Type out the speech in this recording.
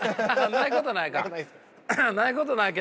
ないことはないか。